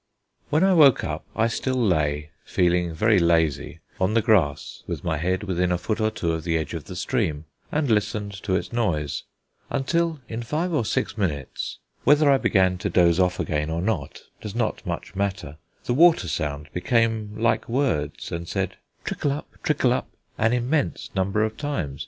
When I woke up I still lay, feeling very lazy, on the grass with my head within a foot or two of the edge of the stream and listened to its noise, until in five or six minutes whether I began to doze off again or not does not much matter the water sound became like words, and said, "Trickle up, trickle up," an immense number of times.